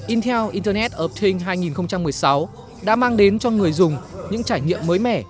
intel internet of thing hai nghìn một mươi sáu đã mang đến cho người dùng những trải nghiệm mới mẻ